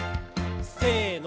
せの。